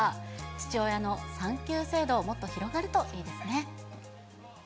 父親の産休制度、もっと広がるといいですね。